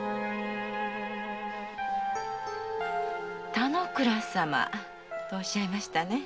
田之倉様とおっしゃいましたね。